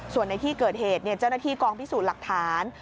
ส่วนในที่เกิดเหตุเจ้าหน้าที่กองพิสูจน์หลักฐาน